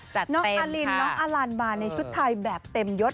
จะเต็มค่ะน้องอลินน้องอลันมาในชุดไทยแบบเต็มยด